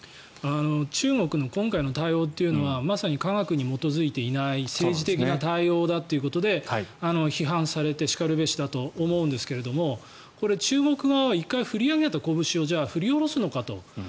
中国の今回の対応というのはまさに科学に基づいていない政治的な対応だということで批判されてしかるべしだと思うんですけども中国側は１回振り上げたこぶしを振り下ろすのかと。